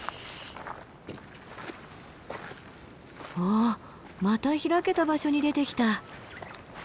ああまた開けた場所に出てきた。